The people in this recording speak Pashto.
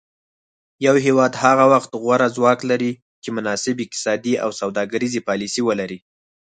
یو هیواد هغه وخت غوره ځواک لري چې مناسب اقتصادي او سوداګریزې پالیسي ولري